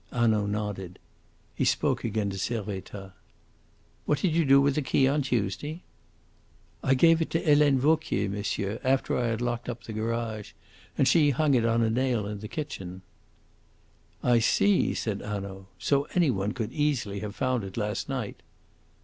Hanaud nodded. He spoke again to Servettaz. "What did you do with the key on Tuesday?" "I gave it to Helene Vauquier, monsieur, after I had locked up the garage. And she hung it on a nail in the kitchen." "I see," said Hanaud. "So any one could easily, have found it last night?"